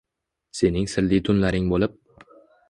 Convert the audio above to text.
Sening sirli tunlaring bo’lib